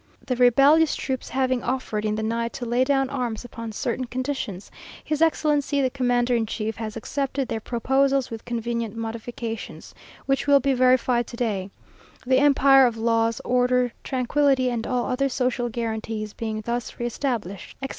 The rebellious troops having offered, in the night, to lay down arms upon certain conditions, his Excellency the Commander in Chief, has accepted their proposals with convenient modifications, which will be verified to day; the empire of laws, order, tranquillity, and all other social guarantees being thus re established," etc.